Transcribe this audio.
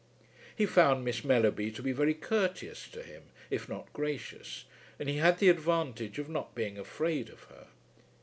He found Miss Mellerby to be very courteous to him if not gracious; and he had the advantage of not being afraid of her.